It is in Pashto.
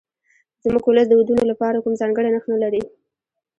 زموږ ولس د ودونو لپاره کوم ځانګړی نرخ نه لري.